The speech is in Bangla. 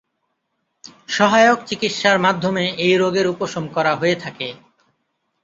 সহায়ক চিকিৎসার মাধ্যমে এই রোগের উপশম করা হয়ে থাকে।